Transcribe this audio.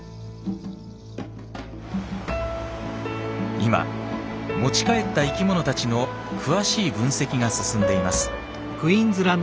今持ち帰った生き物たちの詳しい分析が進んでいます。